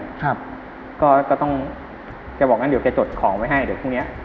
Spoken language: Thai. ครับก็ก็ต้องแกบอกงั้นเดี๋ยวแกจดของไว้ให้เดี๋ยวพรุ่งเนี้ย